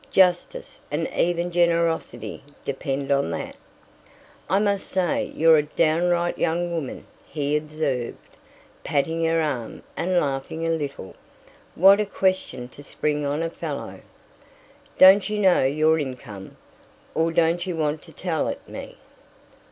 Justice, and even generosity, depend on that." "I must say you're a downright young woman," he observed, patting her arm and laughing a little. "What a question to spring on a fellow!" "Don't you know your income? Or don't you want to tell it me?"